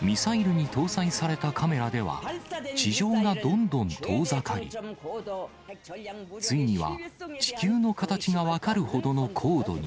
ミサイルに搭載されたカメラでは、地上がどんどん遠ざかり、ついには、地球の形が分かるほどの高度に。